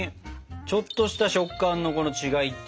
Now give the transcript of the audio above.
ちょっとした食感のこの違いっていう。